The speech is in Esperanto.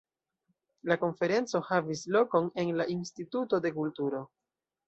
La konferenco havis lokon en la Instituto de Kulturo.